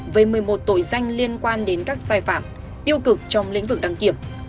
về một mươi một tội danh liên quan đến các sai phạm tiêu cực trong lĩnh vực đăng kiểm